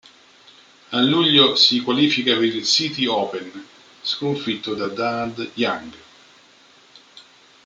A luglio si qualifica per il Citi Open sconfitto da Donald Young.